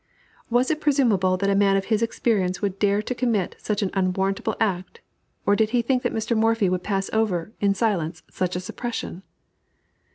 Was it presumable that a man of his experience would dare to commit such an unwarrantable act, or did he think that Mr. Morphy would pass over, in silence, such a suppression?